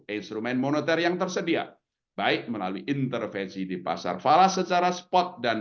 instrumen moneter yang tersedia baik melalui intervensi di pasar falas secara spot dan